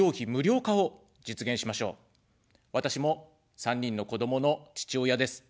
私も３人の子どもの父親です。